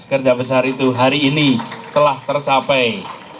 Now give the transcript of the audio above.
kerja besar itu hari ini telah tercapai